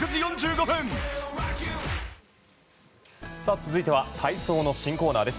続いては体操の新コーナーです。